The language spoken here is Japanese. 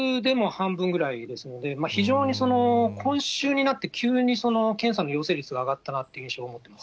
昨日でも半分ぐらいですので、非常に今週になって、急に検査の陽性率が上がったなという印象を持っています。